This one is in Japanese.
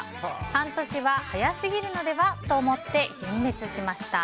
半年は早すぎるのでは？と思って幻滅しました。